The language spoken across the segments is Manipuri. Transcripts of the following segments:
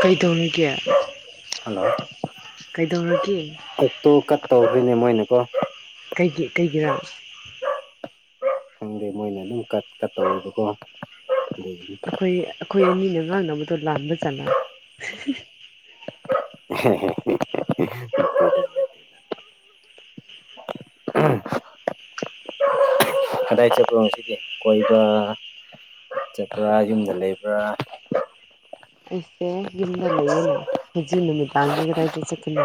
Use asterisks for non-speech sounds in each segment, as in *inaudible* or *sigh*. ꯀꯩꯗꯧꯔꯤꯒꯦ ꯀꯩꯗꯧꯔꯒꯦ ꯀꯛꯇꯨ ꯀꯠ ꯇꯧꯕꯩꯅꯦ ꯃꯣꯏꯅ ꯀꯣ ꯀꯩꯒꯤ ꯀꯩꯒꯤꯔꯥ ꯈꯪꯗꯦ ꯃꯣꯏꯅ ꯑꯗꯨꯝ ꯀꯠ ꯀꯠꯇꯧꯋꯦꯕꯀꯣ ꯑꯩꯈꯣꯏ ꯑꯩꯈꯣꯏ ꯑꯅꯤꯅ ꯉꯥꯡꯅꯕꯗꯣ ꯂꯥꯟꯕ ꯖꯠꯂ ꯑꯦꯍꯦꯍꯦ ꯅꯠꯇꯦꯗ ꯑ ꯎꯝ ꯀꯗꯥꯏ ꯆꯠꯄ꯭ꯔꯣ ꯉꯁꯤꯗꯤ ꯀꯣꯏꯕ ꯆꯠꯄ꯭ꯔꯥ ꯌꯨꯝꯗ ꯂꯩꯕ꯭ꯔꯥ ꯑꯩꯁꯦ ꯌꯨꯝꯗ ꯂꯩꯌꯦꯅ ꯍꯧꯖꯤꯛ ꯅꯨꯃꯤꯗꯥꯡꯗꯤ ꯀꯗꯥꯏꯗ ꯆꯠꯀꯅꯤ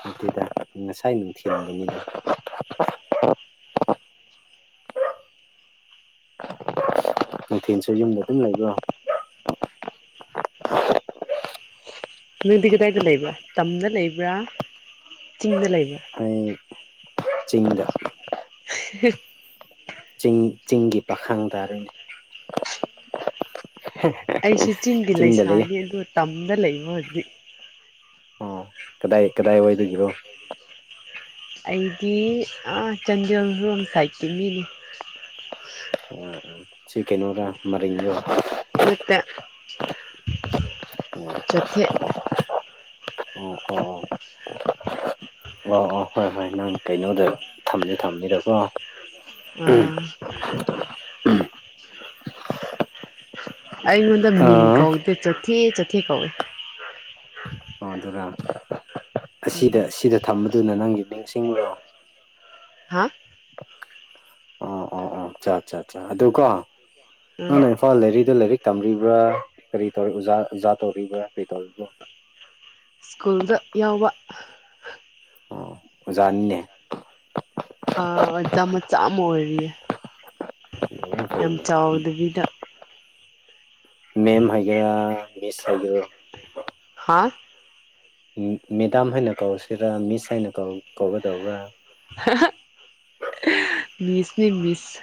ꯅꯠꯇꯦꯗ ꯉꯁꯥꯏ ꯅꯨꯡꯁꯤ ꯍꯥꯏꯅꯤꯡꯉꯤ ꯀꯩꯊꯦꯟꯁꯨ ꯌꯨꯝꯗ ꯑꯗꯨꯝ ꯂꯩꯕ꯭ꯔꯣ *unintelligible* ꯍꯧꯖꯤꯛꯇꯤ ꯀꯗꯥꯏꯗ ꯂꯩꯕ꯭ꯔꯥ ꯇꯝꯗ ꯂꯩꯕ꯭ꯔꯥ ꯆꯤꯡꯗ ꯂꯩꯕ꯭ꯔꯥ ꯑꯩ ꯆꯤꯡꯗ *unintelligible* ꯆꯤꯡ ꯆꯤꯡꯒꯤ ꯄꯥꯈꯪ ꯇꯥꯔꯤꯅꯦ ꯍꯦ ꯑꯩꯁꯨ ꯆꯤꯡꯒꯤ ꯂꯩꯁꯥꯅꯦ ꯑꯗꯣ ꯇꯝꯗ ꯂꯩꯕ ꯍꯧꯖꯤꯛ ꯑꯣ ꯀꯗꯥꯏ ꯀꯗꯥꯏ ꯋꯥꯢꯗꯒꯤꯔꯣ ꯑꯩꯗꯤ ꯑꯥ ꯆꯥꯟꯗꯦꯜ ꯂꯣꯝ ꯁꯥꯏꯠꯀꯤ ꯃꯤꯅꯤ ꯎꯝ ꯎꯝ ꯁꯤ ꯀꯩꯅꯣꯔꯥ ꯃꯔꯤꯡꯔꯣ ꯅꯠꯇꯦ ꯆꯣꯊꯦ ꯑꯣ ꯑꯣ ꯑꯣ ꯑꯣ ꯍꯣꯏ ꯍꯣꯏ ꯅꯪ ꯀꯩꯅꯣꯗ ꯊꯝꯗꯤ ꯊꯝꯅꯤꯗꯀꯣ ꯑꯥꯡ ꯑꯩꯉꯣꯟꯗ ꯃꯤꯡ ꯑ ꯀꯧꯗꯦ ꯆꯣꯊꯦ ꯆꯣꯊꯦ ꯀꯧꯏ ꯑꯗꯨꯔ ꯑꯁꯤꯗ ꯎꯝ ꯑꯁꯤꯗ ꯊꯝꯕꯗꯨꯅ ꯅꯪꯒꯤ ꯃꯤꯡꯁꯤꯡꯔꯣ ꯍꯥ ꯆꯥꯆꯥꯆꯥ ꯑꯗꯨꯀꯣ ꯑꯥ ꯅꯪꯅꯦ ꯑ ꯂꯥꯏꯔꯤꯗ ꯂꯥꯏꯔꯤꯛ ꯇꯝꯂꯤꯕ꯭ꯔꯥ ꯀꯔꯤ ꯇꯧꯔꯤ ꯑꯣꯖꯥ ꯑꯣꯖꯥ ꯇꯧꯔꯤꯕ꯭ꯔꯥ ꯀꯔꯤ ꯇꯧꯔꯤꯕꯅꯣ ꯁ꯭ꯀꯨꯜꯗ ꯌꯥꯎꯕ ꯑꯣꯖꯥꯥꯅꯤꯅꯦ ꯑꯥ ꯑꯣꯖꯥ ꯃꯆꯥ ꯑꯃ ꯑꯣꯏꯔꯤꯌꯦ ꯌꯥꯝ ꯆꯥꯎꯗꯕꯤꯗ ꯃꯦꯝ ꯍꯥꯏꯒꯦꯔꯥ ꯃꯤꯁ ꯍꯥꯏꯒꯦꯔꯣ ꯍꯥꯥ ꯃꯦꯗꯥꯝ ꯍꯥꯏꯅ ꯀꯧꯁꯤꯔꯥ ꯃꯤꯁ ꯍꯥꯏꯅ ꯀꯧ ꯀꯧꯒꯗꯧꯕ꯭ꯔꯥ ꯍꯥꯍꯥ ꯃꯤꯁꯅꯦ ꯃꯤꯁ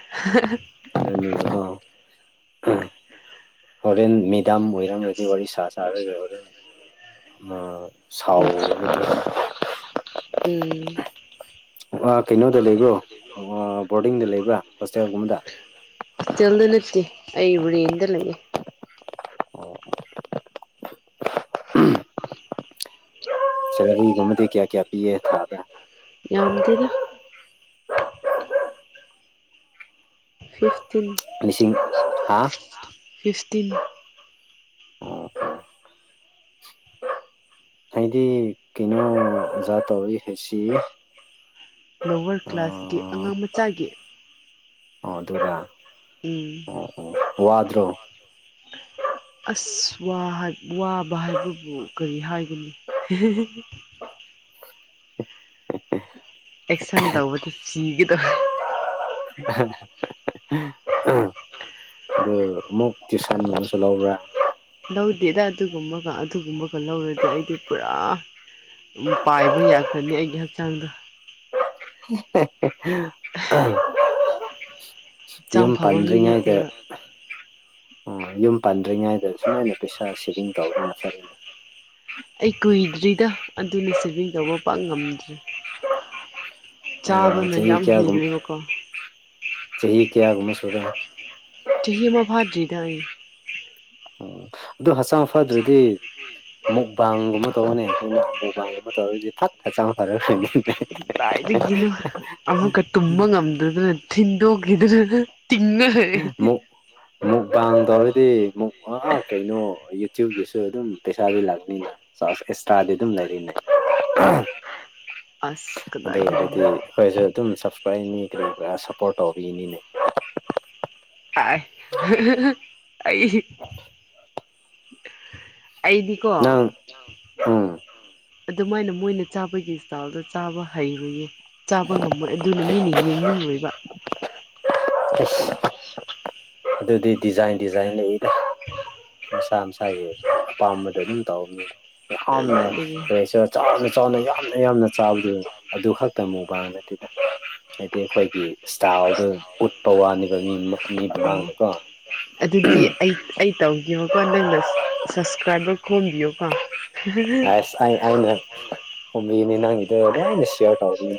*unintelligible* ꯍꯣꯔꯦꯟ ꯃꯦꯗꯥꯝ ꯑꯣꯏꯔꯝ ꯔꯗꯤ ꯋꯥꯔꯤ ꯁꯥ ꯁꯥꯔꯒ ꯍꯣꯔꯦꯟ ꯑ ꯁꯥꯎꯔꯅꯤꯗꯣ ꯎꯝ ꯃꯥ ꯀꯩꯅꯣꯗ ꯂꯩꯕ꯭ꯔꯣ ꯕꯣꯔꯗꯤꯡꯗ ꯂꯩꯕ꯭ꯔꯥ ꯍꯣꯁꯇꯦꯜꯗ ꯅꯠꯇꯦ ꯑꯩ ꯔꯦꯟꯗ ꯂꯩꯌꯦ ꯁꯦꯜꯂ꯭ꯔꯤ ꯒꯨꯝꯕꯗꯤ ꯀꯌꯥ ꯀꯌꯥ ꯄꯤꯌꯦ ꯊꯥꯗ ꯌꯥꯝꯗꯦꯗ ꯐꯤꯐꯇꯤꯟ ꯂꯤꯁꯤꯡ ꯍꯥ ꯐꯤꯐꯇꯤꯟ ꯑꯣ ꯍꯥꯏꯗꯤ ꯀꯩꯅꯣ ꯑꯣꯖꯥ ꯇꯧꯔꯤ ꯍꯥꯏꯁꯤ ꯂꯧꯋꯔ ꯀ꯭ꯂꯥꯁꯀꯤ ꯑꯣ ꯑꯉꯥꯡ ꯃꯆꯥꯒꯤ ꯑꯣ ꯑꯗꯨꯔ ꯎꯝ ꯑꯣ ꯑꯣ ꯋꯥꯗ꯭ꯔꯣ ꯑꯁ ꯋꯥ ꯋꯥꯕ ꯍꯥꯏꯕꯕꯨ ꯀꯔꯤ ꯍꯥꯏꯒꯅꯤ ꯑꯦꯛꯁꯟ ꯇꯧꯕꯗꯤ ꯁꯤꯒꯦ ꯇꯧꯏ ꯑꯍ ꯑꯝ ꯑ ꯑꯃꯨꯛ ꯇ꯭ꯌꯨꯁꯟ ꯑꯃꯁꯨ ꯂꯧꯕ꯭ꯔꯥ ꯂꯧꯗꯦꯗ ꯑꯗꯨꯒꯨꯝꯕꯒ ꯑꯗꯨꯒꯨꯝꯕꯒ ꯂꯧꯔꯗꯤ ꯑꯩꯗꯤ ꯄꯨꯔꯥ ꯎꯝ ꯄꯥꯏꯕ ꯌꯥꯈ꯭ꯔꯅꯤ ꯑꯩꯒꯤ ꯍꯛꯆꯥꯡꯗꯣ ꯑ ꯍꯛꯆꯥꯡ ꯌꯨꯝ ꯐꯕ ꯃꯤ ꯄꯥꯟꯗ꯭ꯔꯤꯉꯩꯗ ꯅꯠꯇꯦꯕ ꯌꯨꯝ ꯄꯥꯟꯗ꯭ꯔꯤꯉꯩꯗ ꯁꯨꯨꯃꯥꯏꯅ ꯄꯩꯁꯥ ꯁꯦꯚꯤꯡ ꯇꯧꯗꯅ ꯑꯩ ꯀꯨꯏꯗ꯭ꯔꯤꯗ ꯑꯗꯨꯅ ꯁꯦꯚꯤꯡ ꯇꯧꯕ ꯄꯛ ꯉꯝꯗ꯭ꯔꯤ ꯑ ꯆꯥꯕꯅ ꯆꯍꯤ ꯌꯥꯝ ꯀꯌꯥꯒꯨꯝ ꯍꯦꯜꯂꯦꯕꯀꯣ ꯆꯍꯤ ꯀꯌꯥꯒꯨꯝꯕꯁꯨꯔꯦ ꯆꯍꯤ ꯑꯃ ꯐꯥꯗꯔꯤꯗ ꯑꯩ ꯎꯝ ꯑꯗꯨ ꯍꯁ ꯐꯗ꯭ꯔꯗꯤ ꯃꯨꯛꯕꯥꯡꯒꯨꯝꯕ ꯇꯧꯑꯣꯅꯦ ꯃꯨꯛꯕꯥꯡꯒꯨꯝꯕ ꯇꯧꯔꯗꯤ ꯐꯠ ꯍꯆꯥꯡ ꯐꯔꯅꯤꯦ ꯀꯥꯏꯗꯒꯤꯅꯣ ꯑꯃꯨꯛꯀ ꯇꯨꯝꯕ ꯉꯝꯗꯗꯅ ꯊꯤꯟꯗꯣꯛꯈꯤꯗꯅ ꯇꯤꯡꯅ ꯃꯨꯛ ꯃꯨꯛꯕꯥꯡ ꯇꯧꯔꯗꯤ ꯃꯛ ꯀꯩꯅꯣ ꯌꯨꯇ꯭ꯌꯨꯕꯀꯤꯁꯨ ꯑꯗꯨꯝ ꯄꯩꯁꯥꯗꯤ ꯂꯥꯛꯄꯅꯤꯅ ꯆꯥ ꯑꯦꯁ ꯑꯁ ꯑꯗꯨ ꯑꯣꯏꯔꯗꯤ ꯀꯗꯥꯏꯗꯒꯤꯅꯣ ꯑꯩꯈꯣꯏꯁꯨ ꯑꯗꯨꯝ ꯁꯞꯁꯀ꯭ꯔꯥꯏꯕꯅꯤ ꯀꯔꯤ ꯀꯔꯥ ꯁꯞꯄꯣꯔꯠ ꯇꯧꯕꯤꯅꯤꯅꯦ ꯑ ꯑꯩ *inaudible* ꯑꯩꯗꯤꯀꯣ ꯅꯪ ꯎꯝ ꯑꯗꯨꯃꯥꯏꯅ ꯃꯣꯏꯅ ꯆꯥꯕꯒꯤ ꯏꯁꯇꯥꯏꯜꯗ ꯆꯥꯕ ꯍꯩꯔꯌꯦ ꯆꯥꯕ ꯉꯝꯃꯣꯏ ꯑꯗꯨꯅ ꯃꯤꯅ ꯌꯦꯡꯅꯤꯡꯉꯣꯏꯕ ꯏꯁ ꯑꯗꯨꯗꯤ ꯗꯤꯖꯥꯏꯟ ꯗꯤꯖꯥꯏꯟ ꯂꯩꯌꯦꯗ ꯃꯁꯥ ꯃꯁꯥꯒꯤ ꯑꯄꯥꯥꯝꯕꯗꯣ ꯑꯗꯨꯝ ꯇꯧꯅꯤ ꯌꯥꯝꯅ ꯑꯗꯨꯗꯒꯤ ꯀꯁꯨ ꯆꯥꯎꯅ ꯆꯥꯎꯅ ꯌꯥꯝꯅ ꯌꯥꯝꯅ ꯆꯥꯕꯗꯨ ꯑꯗꯨ ꯈꯛꯇ ꯃꯨꯛꯕꯥꯡꯅꯠꯇꯦ ꯍꯥꯏꯗꯤ ꯑꯩꯈꯣꯏꯒꯤ ꯏꯁꯇꯥꯜꯗ ꯑꯣ ꯎꯠꯄ ꯋꯥꯅꯦꯕ ꯃꯤ ꯃꯤ ꯃꯃꯥꯡꯗ ꯑꯗꯨꯗꯤ ꯑꯩ ꯑꯩ ꯇꯧꯈꯤꯕꯀꯣ ꯅꯪꯅ ꯁꯞꯁꯀ꯭ꯔꯥꯏꯕꯔ ꯈꯣꯝꯕꯤꯌꯨꯀꯣ ꯑꯁ ꯑꯩ ꯑꯩꯅ ꯈꯣꯝꯕꯤꯅꯤ ꯅꯪꯒꯤꯗ ꯂꯣꯏꯅ ꯁꯤꯌꯥꯔ ꯇꯧꯔꯤꯅꯦ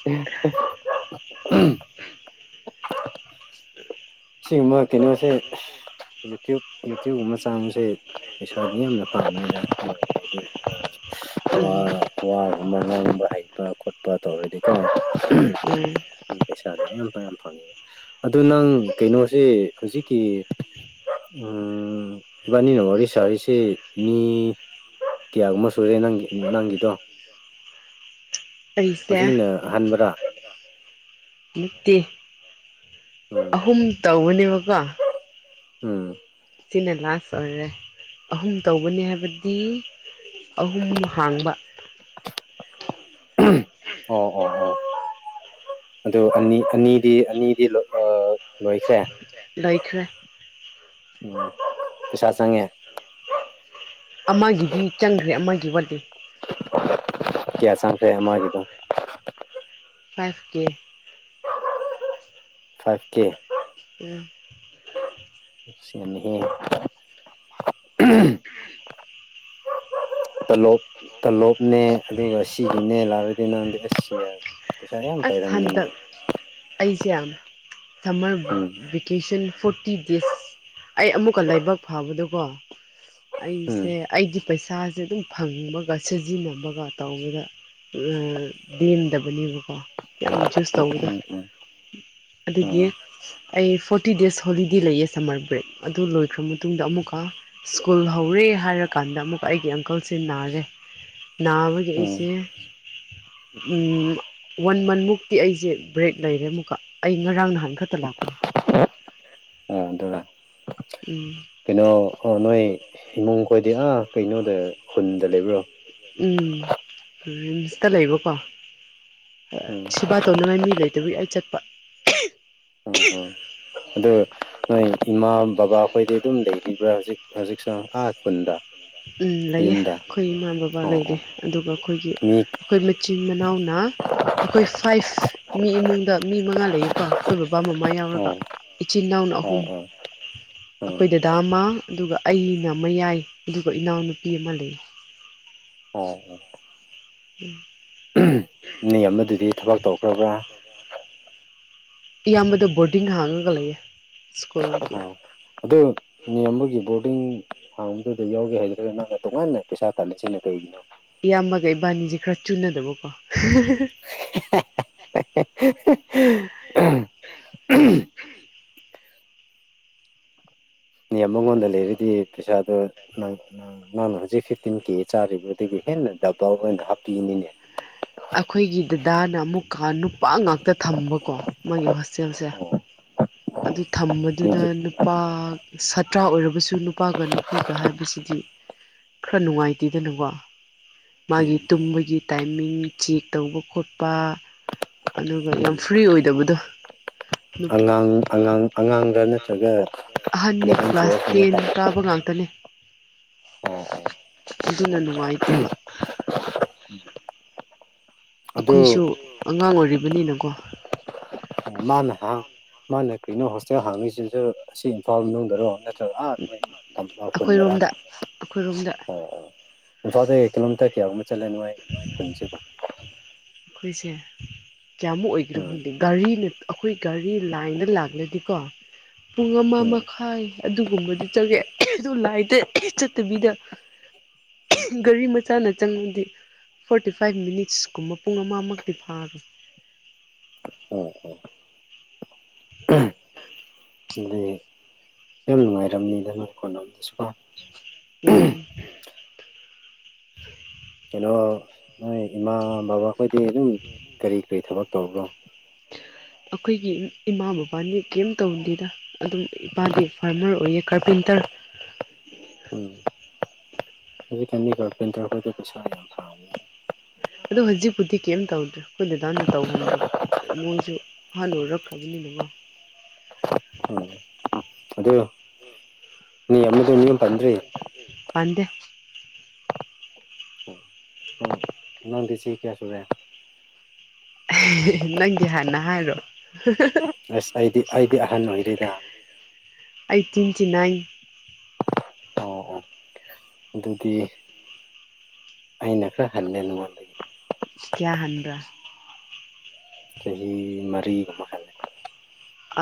*unintelligible* ꯑꯁꯦꯡꯕ ꯀꯩꯅꯣꯁꯦ ꯌꯨ ꯇꯌꯨꯞ ꯌꯨ ꯇꯌꯨꯞ ꯑꯃ ꯆꯥꯡꯕꯁꯦ ꯄꯩꯁꯥꯗꯤ ꯌꯥꯝꯅ ꯄꯥꯝꯃꯦꯅ *unintelligible* ꯎꯝ ꯑꯣ ꯎꯝ ꯄꯩꯁꯥꯗ ꯌꯥꯝꯌꯥꯝ ꯌꯥꯝ ꯐꯪꯉꯦ ꯑꯗꯨ ꯅꯪ ꯀꯩꯅꯣꯁꯦ ꯍꯧꯖꯤꯛꯀꯤ ꯎꯝ ꯏꯕꯥꯅꯤꯅ ꯋꯥꯔꯤ ꯁꯥꯔꯤꯁꯦ ꯃꯤ ꯀꯌꯥꯒꯨꯝꯕ ꯁꯨꯔꯦ ꯅꯪꯒꯤ ꯅꯪꯒꯤꯗꯣ ꯑꯩꯁꯦ ꯍꯧꯖꯤꯛꯅ ꯍꯟꯕ꯭ꯔꯥ ꯅꯠꯇꯦ ꯎꯝ꯫ ꯑꯍꯨꯝ ꯇꯧꯕꯅꯦꯕꯀꯣ꯫ ꯎꯝ꯫ ꯁꯤꯅ ꯂꯥꯁ ꯑꯣꯏꯔꯦ ꯑꯍꯨꯝ ꯇꯧꯕꯅꯤ ꯍꯥꯏꯕꯗꯤ꯫ ꯑꯍꯨꯝ ꯍꯥꯡꯕ ꯑꯣ ꯑꯣ ꯑꯣ꯫ ꯑꯗꯨ ꯑꯅꯤ ꯑꯅꯤꯗꯤ ꯑꯅꯤꯗꯤ ꯑꯥ ꯂꯣꯏꯈ꯭ꯔꯦ꯫ ꯂꫭꯏꯈ꯭ꯔ‌ꯦ꯫ ꯄꯩꯁꯥ ꯆꯪꯉꯦ꯫ ꯑꯃꯒꯤꯗꯤ ꯆꯪꯈ꯭ꯔꯦ ꯑꯃꯒꯤ ꯋꯥꯠꯂꯤ꯫ ꯀ꯭ꯌꯥ ꯁꯥꯡꯈ꯭ꯔ‌ꯦ ꯃꯒꯤꯗꯣ ꯐꯥꯏꯚꯀꯦ ꯐꯥꯏꯚꯀꯦ ꯎꯝ꯫ ꯁꯦꯝꯃꯦꯍꯦ ꯇꯂꯣꯞ ꯇꯂꯣꯞꯅꯦ ꯑꯗꯨꯒ ꯁꯤꯒꯤꯅꯦ ꯂꯥꯛꯔꯗꯤ ꯅꯪꯗꯤ ꯑꯁ ꯌꯥꯔ‌ꯦ꯫ ꯑꯁ ꯍꯟꯗꯛ ꯑꯩꯁꯦ ꯁꯝꯃꯔ ꯕꯤ꯫ ꯎꯝ ꯚꯦꯀꯦꯁꯟ ꯐꯣꯔꯇꯤ ꯗꯦꯖ ꯑꯩ ꯑꯃꯨꯛꯀ ꯂꯥꯏꯕꯛ ꯐꯥꯕꯗꯣꯀꯣ ꯎꯝ ꯑꯩꯁꯦ ꯑꯩꯒꯤ ꯄꯩꯁꯥꯁꯦ ꯑꯗꯨꯝ ꯐꯪꯕꯒ ꯁꯤꯖꯤꯟꯅꯕꯒ ꯇꯧꯕꯗ ꯂ ꯂꯦꯝꯗꯕꯒꯤꯕꯀꯣ ꯌꯥꯝ ꯆꯨꯁ ꯇꯧꯕꯗꯨ꯫ ꯎꯝ ꯎꯝ ꯎꯝ ꯑꯗꯨꯒꯤ ꯑꯩ ꯐꯣꯔꯇꯤ ꯗꯦꯖ ꯍꯣꯂꯤꯗꯦ ꯂꯩꯌꯦ ꯁꯝꯃꯔ ꯕ꯭ꯔꯦꯛ ꯑꯗꯨ ꯂꯣꯏꯈ꯭ꯔ ꯃꯇꯨꯡꯗ ꯑꯃꯨꯛꯀ꯫ ꯏꯁ꯭ꯀꯨꯜ ꯍꯧꯔꯦ ꯍꯥꯏꯔꯀꯥꯟꯗ ꯑꯃꯨꯛꯀ ꯑꯩꯒꯤ ꯑꯪꯀꯜꯁꯦ ꯅꯥꯔꯦ ꯅꯥꯕꯒꯤ ꯎꯝ ꯑꯩꯁꯦ ꯎꯝ ꯋꯥꯟ ꯃꯟꯃꯨꯛꯇꯤ ꯑꯩꯁꯦ ꯕ꯭ꯔꯦꯛ ꯂꯩꯔꯦ ꯑꯃꯨꯛꯀ ꯑꯩ ꯉꯔꯥꯡ ꯅꯍꯥꯟ ꯈꯛꯇ ꯂꯥꯛꯄꯅꯦ ꯑꫭ ꯑꯗꯨꯔ ꯎꯝ ꯀꯩꯅꯣ ꯅꯣꯏ ꯏꯃꯨꯡ ꯈꯣꯏꯗꯤ ꯑꯥ ꯀꯩꯅꯣꯗ ꯈꯨꯟꯗ ꯂꯩꯕ꯭ꯔꯣ꯫ ꯎꯝ ꯔꯤꯝꯁꯇ ꯂꯩꯕꯀꯣ ꯎꯝ ꯁꯤꯕꯥ ꯇꯧꯅꯉꯥꯏ ꯃꯤ ꯂꯩꯇꯕꯒꯤ ꯑꯩ ꯆꯠꯄ ꯎꯝ ꯎꯝ ꯑꯗꯣ ꯅꯣꯏ ꯏꯃꯥ ꯕꯕꯥ ꯑꯩꯈꯣꯏꯗꯤ ꯑꯗꯨꯝ ꯂꯩꯔꯤꯕ꯭ꯔꯥ ꯍꯧꯖꯤꯛ ꯍꯧꯖꯤꯛ ꯁꫭ ꯑꯥ꯫ ꯈꯨꯟꯗ ꯎꯝ ꯂꯩꯌꯦ ꯌꯨꯝꯗ ꯑꯩꯈꯣꯏ ꯏꯃꯥ ꯕꯕꯥ ꯑꯣ ꯂꯩꯔꯤ ꯑꯣ ꯑꯗꯨꯒ ꯑꯩꯈꯣꯏꯒꯤ ꯃꯤ ꯈꫭꯏ ꯃꯆꯤꯟ ꯃꯅꯥꯎꯅ ꯑꯩꯈꯣꯏ ꯐꯥꯏꯚ ꯃꯤ ꯏꯃꯨꯡꯗ ꯃꯤ ꯃꯉꯥ ꯂꯩꯌꯦꯀꯣ ꯑꯩꯈꯣꯏ ꯕꯕꯥ ꯃꯃꯥ ꯌꯥꯎꯔꯒ ꯑꯣ ꯏꯆꯤꯟ ꯏꯅꯥꯎꯅ ꯑꯣ ꯑꯍꯨꯝ ꯑꯣ ꯑꯣ ꯑꯈꯣꯏ ꯗꯗꯥ ꯑꯃ ꯑꯗꯨꯒ ꯑꯩꯅ꯫ ꯃꯌꯥꯏ ꯑꯗꯨꯒ ꯏꯅꯥꯎꯅꯨꯄꯤ ꯑꯃ ꯂꯩ ꯑꫭ *unintelligible* ꯅ ꯑꯃꯗꯨꯗꯤ ꯊꯕꯛ ꯇꯧꯈ꯭ꯔꯕ꯭ꯔꯥ *inaudible* ꯏꯌꯥꯝꯕꯗꫭ ꯕꯣꯔꯗꯤꯡ ꯍꯥꯡꯉꯒ ꯂꯩꯌꯦ ꯏꯁ꯭ꯀꯨꯜꯒꯤ꯫ ꯑꯥ ꯑꯗꯨ ꯅꯤꯌꯥꯝꯕꯒꯤ ꯕꯣꯔꯗꯤꯡ ꯍꯥꯡꯕꯗꯨꯗ ꯌꯥꯎꯒꯦ ꯍꯥꯏꯗ꯭ꯔꯒ ꯅꯪꯅ ꯇꯣꯉꯥꯟꯅ ꯄꯩꯁꯥ ꯇꯥꯜꯂꯤꯁꯤꯅ ꯀꯩꯒꯤꯅꯣ꯫ ꯏꯌꯥꯝꯕꯒ ꯏꯕꯥꯅꯤꯁꯤ ꯈꯔ ꯆꯨꯅꯗꯕꯀꯣ꯫ *unintelligible* ꯃꯉꯣꯟꯗ ꯂꯩꯔꯗꯤ ꯄꯩꯁꯥꯗꫭ ꯅꯪꯅ ꯍꯧꯖꯤꯛ꯫ ꯐꯤꯐꯇꯤꯟ ꯀꯦ ꯆꯥꯔꯤꯕꯗꯒꯤ ꯍꯦꯟꯅ ꯗꯕꯜ ꯑꯣꯏꯅ ꯍꯥꯞꯄꯤꯒꯅꯤꯅꯦ꯫ ꯑꯩꯈꯣꯏꯒꯤ ꯗꯗꯥꯅ ꯑꯃꯨꯛꯀ ꯅꯨꯄꯥ ꯉꯥꯛꯇ ꯊꯝꯕꯀꯣ ꯃꯥꯒꯤ ꯍꯣꯁꯇꯦꯜꯁꯦ *inaudible* ꯑꯗꯨ ꯊꯝꯕꯗꯨꯗ ꯃꯤꯗꯤ ꯅꯨꯄꯥ ꯁꯥꯇ꯭ꯔ ꯑꯣꯏꯔꯕꯁꯨ ꯅꯨꯄꯥꯒ ꯅꯨꯄꯤꯒ ꯍꯥꯏꯕꯁꯤꯗꯤ ꯈꯔ ꯅꯨꯡꯉꯥꯏꯇꯦꯗꯅꯀꯣ ꯃꯥꯒꯤ ꯎꯝ ꯇꯨꯝꯕꯒꯤ ꯇꯥꯏꯃꯤꯡ ꯆꯦꯛ ꯇꯧꯕ ꯈꯣꯠꯄ ꯑꯗꯨꯒ ꯌꯥꯝ ꯎꯝ ꯐ꯭ꯔꯤ ꯑꯣꯏꯗꯕꯗꯣ ꯑꯉꯥꯡ ꯑꯉꯥꯡ ꯑꯉꯥꯡꯗ ꯅꯠꯇ꯭ꯔꯒ *unintelligible* ꯑꯍꯟꯅꯤ ꯏꯂꯚꯦꯟ ꯀ꯭ꯂꯥꯁ ꯇꯨꯋꯦꯜꯐ ꯀꯨꯝꯕ ꯇꯦꯟ ꯇꯥꯕ ꯀꯥꯕ ꯉꯥꯛꯇꯅꯦ ꯑꯣ ꯑꯗꯨꯅ ꯅꯨꯡꯉꯥꯏꯇ‌ꯦꯕ꯫ ꯎꯝ ꯑꯩꯈꯣꯏꯁꯨ ꯑꯉꯥꯡ ꯑꯣꯏꯔꯤꯕꯅꯤꯅꯀꯣ ꯫ *unintelligible* ꯃꯥꯅ ꯍꯥꯡ ꯃꯥꯅ ꯀꯩꯅꯣ ꯍꯣꯁꯇꯦꯜ ꯍꯥꯡꯉꯤꯁꯤꯁꯨ ꯑꯁꯤ ꯏꯝꯐꯥꯜ ꯃꯅꯨꯡꯗꯔꯣ ꯑꯥ ꯅꯣꯏꯃ ꯈꯨꯨꯟꯗꯔ ꯑꯩꯈꯣꯏꯔꯣꯝꯗ ꯑꯩꯈꯣꯏꯔꯣꯝꯗ ꯑꯣ ꯏꯝꯐꯥꯜꯗ ꯀꯤꯂꯣꯃꯤꯇꯔ ꯀꯌꯥꯒꯨꯝꯕ ꯆꯠꯂꯦ ꯅꯣꯏ ꯅꯣꯏ ꯈꯨꯟꯁꯤꯕꫭ꯫ ꯑꯩꯈꯣꯏꯁꯦ ꯀꯌꯥꯃꯨꯛ ꯑꯣꯏꯒꯔꯣ ꯎꯝ ꯈꯪꯗꯦ ꯒꯥꯔꯤꯅ ꯑꯩꯈꯣꯏ ꯒꯥꯔꯤ ꯂꯥꯏꯟꯗ ꯂꯥꯛꯂꯗꯤꯀꯣ ꯄꯨꯡ ꯑꯃ ꯎꯝ ꯃꯈꯥꯏ ꯑꯗꯨꯒꯨꯝꯕꯗꯤ ꯆꯪꯉꯦ ꯑꯗꯨ ꯂꯥꯏꯟꯗ ꯆꯠꯇꯕꯤꯗ ꯒꯥꯔꯤ ꯃꯆꯥꯅ ꯆꯪꯉꯗꯤ ꯐꯣꯔꯇꯤ ꯐꯥꯏꯚ ꯃꯤꯅꯤꯠꯁꯀꯨꯝꯕ ꯄꯨꯡ ꯑꯃꯃꯛꯇꯤ ꯐꯥꯈ꯭ꯔꯦ ꯫ *unintelligible* *inaudible* *inaudible* ꯑ ꯅꯨꯡꯉꯥꯏꯔꯝꯅꯤꯗꯅ ꯀꯣꯟꯣꯝꯗꯁꯨ ꯎꯝ꯫ ꯀꯩꯅꯣ ꯅꯣꯏ ꯏꯃꯥ ꯕꯕꯥꯈꯣꯏꯗꯤ ꯑꯗꯨꯝ ꯀꯔꯤ ꯀꯔꯤ ꯊꯕꯛ ꯇꯧꯕ꯭ꯔꯣ꯫ ꯑꯩꯈꯣꯏꯒꯤ ꯏꯃꯥ ꯕꯕꯥꯅꯤ ꯀꯩꯝ ꯇꯧꯗꯦꯗ ꯑꯗꯨꯝ ꯏꯄꯥꯗꯤ ꯐꯥꯔꯃꯔ ꯑꯣꯏꯌꯦ ꯀꯥꯔꯄꯦꯟꯇꯔ ꯎꯝꯗꯤ ꯀ ꯄꯦꯟ ꯍ ꯄ ꯑꯗꯣ ꯍꯧꯖꯤꯛꯄꯨꯗꯤ ꯀꯩꯝ ꯇꯧꯗ꯭ꯔꯦ ꯑꯩꯈꯣꯏ ꯗꯗꯥꯅ ꯇꯧꯍꯟꯗ꯭ꯔꯕ ꯃꯣꯏꯁꯨ ꯍꯜꯂꯨ ꯔꯛꯈ꯭ꯔꯕꯅꯤꯅꯦꯀꯣ꯫ ꯎ ꯑꯗꯨ ꯃꯤ ꯑꯃꯗ ꯃꯤ ꯑꯃ ꯄꯟꯗ꯭ꯔꯤ ꯄꯥꯟꯗ‌ꯦ꯫ ꯎꯝ ꯅꯪꯗꯤ ꯆꯍꯤ ꯀꯌꯥ ꯁꯨꯔꯦ꯫ ꯅꯪꯒꯤ ꯍꯥꯟꯅ ꯍꯥꯏꯔꯣ꯫ ꯑꯁ ꯑꯩꯗꯤ ꯑꯩꯗꯤ ꯑꯍꯟ ꯑꯣꯏꯔ‌ꯦꯗ꯫ ꯑꯩꯪ ꯇꯋꯦꯟꯆꯤ ꯅꯥꯢꯟ ꯑꯣ ꯑꯣ ꯑꯗꯨꯗꯤ ꯑꯩꯅ ꯈꯔ ꯍꯜꯂꯦ ꯅꯉꯣꯟꯗ ꯁꯤ ꯀꯌꯥ ꯍꯥꯟꯕ꯭ꯔꯥ꯫ ꯆꯍꯤ ꯃꯔꯤꯒ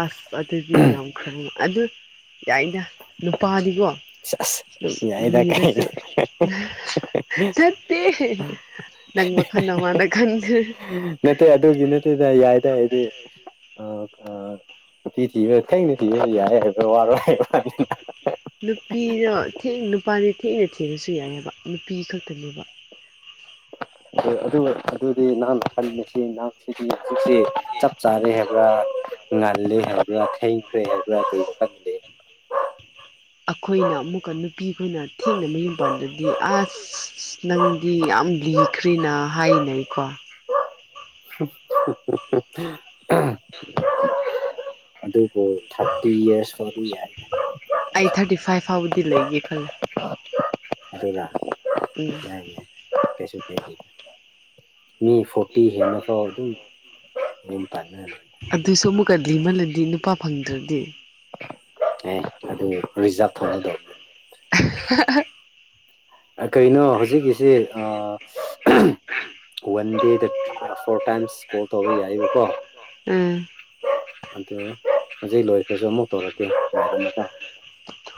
ꯑꯁ ꯑꯗꯨꯗꯤ ꯌꯥꯝ ꯈꯪꯉ ꯑꯗꯨ ꯌꯥꯏꯅ ꯅꯨꯄꯥꯅꯤꯀꯣ ꯁꯦꯁ ꯌꯥꯏꯗ ꯀꯩꯅꯣ ꯂꯤꯔꯁꯨ꯫ ꯆꯠꯇꯦ ꯅꯪ ꯃꯈꯜ ꯃꯥꯅ ꯈꯟꯗ ꯅꯠꯇꯦ ꯑꯗꯨꯒꯤ ꯅꯠꯇꯦꯗ ꯌꯥꯏꯗ ꯑꯩꯗꯤ꯫ ꯑ ꯅꯨꯄꯤ ꯊꯤꯕ ꯊꯦꯡꯅ ꯊꯤꯕꯁꯨ ꯌꯥꯏ ꯍꯥꯏꯕ ꯋꯥꯔꯣꯏ ꯍꯥꯏꯕ꯫ ꯅꯨꯄꯤꯗ ꯊꯦꯡꯅ ꯅꯨꯄꯥꯗꯤ ꯊꯦꯡꯅ ꯊꯦꯡꯅꯁꯨ ꯌꯥꯏꯑꯕ ꯅꯨꯄꯤ ꯈꯛꯇꯅꯦꯕ ꯑꯗꯨ ꯑꯗꯨꯗꯤ ꯅꯍꯥꯟꯅ ꯍꯥꯏꯜꯂꯤꯕꯁꯤ ꯅꯍꯥꯡꯁꯤꯗꯤ ꯍꯧꯖꯤꯛꯁꯤ ꯆꯞ ꯆꯥꯔꯦ ꯍꯥꯏꯕ꯭ꯔꯥ ꯉꯜꯜꯂꯤꯦ ꯍꯥꯏꯕ꯭ꯔꯥ ꯊꯦꯡꯈ꯭ꯔꯦ ꯍꯥꯏꯕ꯭ꯔꯥ ꯀꯔꯤ ꯋꯥꯈꯜꯗ ꯑꯈꯣꯏꯅ ꯑꯃꯨꯛꯀ ꯅꯨꯄꯤꯗꯨꯅ ꯊꯦꯡꯅ ꯃꯌꯨꯝ ꯄꯥꯟꯕꯗꯤ ꯑꯁ ꯅꯪꯗꯤ ꯌꯥꯝ ꯂꯤꯈ꯭ꯔꯤꯅ ꯍꯥꯏꯅꯩꯀꯣ꯫ ꯫ ꯑꯗꯨꯕꯨ ꯊꯥꯔꯇꯤ ꯌꯤꯔꯁ ꯁꯨꯔꯥꯗꯤ ꯌꯥꯔꯦ ꯑꯩꯠ ꯊꯥꯔꯇꯤ ꯐꯥꯏꯚ ꯐꯥꯎꯕꯗꯤ ꯂꯩꯒꯦ ꯈꯜꯂꯦ ꯑꯗꯨꯔ꯭ ꯅꯪ ꯎꯝ ꯀꯩꯁꯨ ꯀꯩꯒꯤ ꯃꯤ ꯐꯣꯔꯇꯤ ꯍꯦꯟꯅ ꯐꯥꯎ ꯑꯗꯨꯝ ꯑꯗꯨꯝ ꯄꯥꯅꯔ ꯑꯗꯨꯁꯨ ꯑꯃꯨꯛꯀ ꯂꯤꯃꯜꯂꯗꯤ ꯅꯨꯄꯥ ꯐꯪꯗ꯭ꯔꯗꯤ ꯑꯦ ꯑꯗꯨ ꯔꯤꯖꯥꯚ ꯊꯧꯅꯗꯧꯕ *unintelligible* ꯀꯩꯅꯣ ꯍꯧꯖꯤꯛꯀꯤꯁꯤ ꯋꯥꯟ ꯗꯦꯗ ꯐꯣꯔ ꯇꯥꯏꯝꯁ ꯀꯣꯜ ꯇꯧꯕ ꯌꯥꯏꯕꯀꯣ ꯎꯝ ꯑꯗꯨ ꯍꯧꯖꯤꯛ ꯂꯣꯏꯈ꯭ꯔꯁꯨ ꯑꯃꯨꯛ ꯇꯧꯔꯛꯀꯦ ꯌꯥꯒꯅꯤꯀꯣ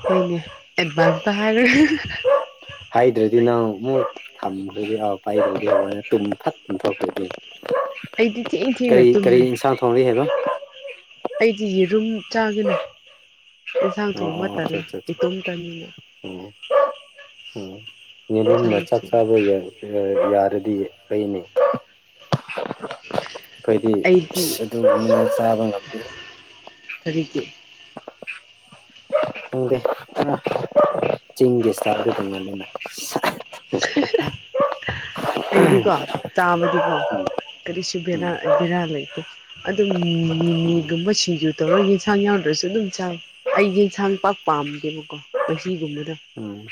ꯍꯣꯏꯅꯦ ꯑꯦꯗꯚꯥꯟꯁꯇ ꯍꯥꯏꯔꯒ ꯍꯥꯏꯗ꯭ꯔꯗꯤ ꯅꯪ ꯑꯃꯨꯛ ꯊꯝꯕꯁꯨ ꯌꯥꯎ ꯄꯥꯏꯗꯔꯥꯗꯤ ꯇꯨꯝ ꯇꯛ ꯇꯨꯝꯊꯣꯛꯈ꯭ꯔꯗꯤ ꯑꯩꯗꯤ ꯊꯦꯡ ꯊꯦꯡꯅ ꯀꯔꯤ ꯀꯔꯤ ꯇꯨꯝꯃꯦ ꯏꯟꯁꯥꯡ ꯊꯣꯡꯂꯤ ꯍꯥꯏꯕ ꯑꯩꯗꯤ ꯌꯦꯔꯨꯝ ꯆꯥꯒꯅꯤ ꯑꯦꯟꯁꯥꯡ ꯑꯣ ꯊꯣꯡꯕ ꯑꯣ ꯑꯆꯥ ꯇꯜꯂꯦ ꯑꯆꯥ ꯑꯆꯥ ꯏꯇꯣꯝꯇꯅꯤꯅ ꯎꯝ ꯎꯝ ꯏꯕ ꯏꯟꯁꯥꯡ ꯃꯆꯥ ꯁꯥꯕ ꯌꯥ ꯑ ꯌꯥꯔꯗꯤ ꯑꯩꯅꯦ ꯑꯩꯈꯣꯏꯗꯤ ꯑꯩꯗꯤ ꯑꯗꯨꯒꯨꯝꯕ ꯆꯥꯕ ꯉꯝꯗꯦꯍꯦ ꯀꯔꯤꯒꯤ *unintelligible* ꯎꯪꯗꯦ ꯆꯤꯡꯒꯤ ꯆꯔꯒꯗꯧꯉꯅꯤꯅ ꯑꯩꯗꯤꯀꯣ ꯆꯥꯕꯗꯤꯀꯣ ꯀꯔꯤꯁꯨ ꯎꯝ ꯕꯦꯔꯥ ꯕꯦꯔꯥ ꯂꯩꯇꯦ ꯑꯗꯨꯝ ꯃꯨ ꯒꯨꯟꯕꯁꯤꯡꯁꯨ ꯇꯧꯔ ꯌꯦꯟꯁꯥꯡ ꯌꯥꯎꯗ꯭ꯔꯁꯨ ꯑꯗꯨꯝ ꯆꯥꯏ ꯑꯩꯒꯤ ꯏꯁꯥꯡ ꯄꯥꯛ ꯄꯥꯝꯗꯦꯕꯀꯣ ꯃꯍꯤꯒꯨꯝꯕꯗꯨ ꯎꯝ